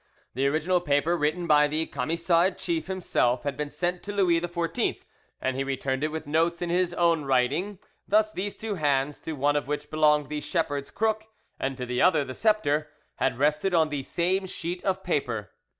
The original paper written by the Camisard chief himself had been sent to Louis XIV, and he returned it with notes in his own writing; thus these two hands, to one of which belonged the shepherd's crook and to the other the sceptre, had rested on the same sheet of paper.